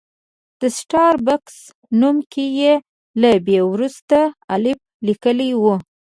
د سټار بکس نوم کې یې له بي وروسته الف لیکلی و.